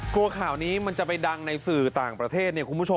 กลัวข่าวนี้มันจะไปดังในสื่อต่างประเทศเนี่ยคุณผู้ชม